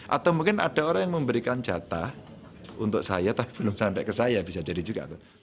atau mungkin ada orang yang memberikan jatah untuk saya tapi belum sampai ke saya bisa jadi juga